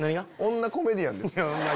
女コメディアン？